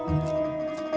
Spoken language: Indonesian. ya udah masuk